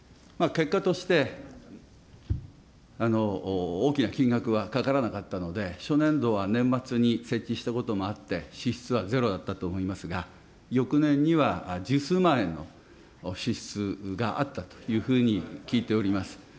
結果として、大きな金額はかからなかったので、初年度は年末に設置したこともあって支出はゼロだったと思いますが、翌年には十数万円の支出があったというふうに聞いております。